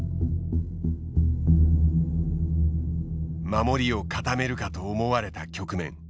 守りを固めるかと思われた局面。